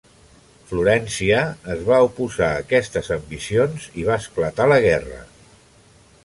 Florència es va oposar a aquestes ambicions i va esclatar la guerra.